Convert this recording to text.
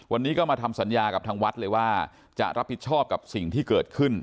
วันนี้ก็มาทำสัญญากับทางวัดเลยว่าจะรับผิดชอบกับสิ่งที่เกิดขึ้น